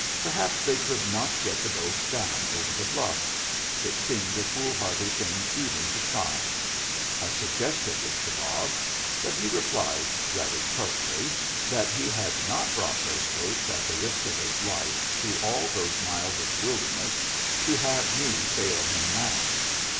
Perhaps they could not get the boats down over the bluff. It seemed a foolhardy thing even to try. I suggested this to Bob. But he replied, rather tartly, that he had not brought those boats at the risk of his life through all those miles of wilderness to have me fail him now.